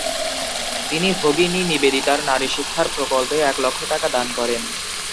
তিনি ভগিনী নিবেদিতার নারী শিক্ষার প্রকল্পে এক লক্ষ টাকা দান করেন।